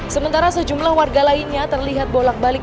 sementara sejumlah warga lainnya terlihat bolak balik